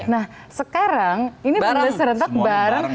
nah sekarang ini berdasarkan barang